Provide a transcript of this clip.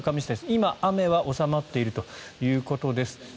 今、雨は収まっているということです。